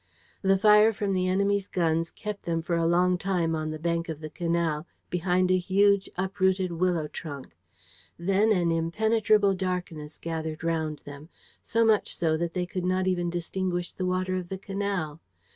The fire from the enemy's guns kept them for a long time on the bank of the canal, behind a huge, uprooted willow trunk. Then an impenetrable darkness gathered round them, so much so that they could not even distinguish the water of the canal.